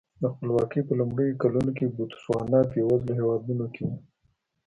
د خپلواکۍ په لومړیو کلونو کې بوتسوانا بېوزلو هېوادونو کې و.